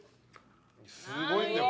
すごいんだよ。